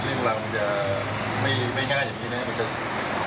เรื่องราวมันจะไม่ง่ายอย่างนี้นะมันจะบานไปมากกว่านี้เลย